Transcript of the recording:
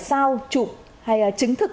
sau chụp hay chứng thực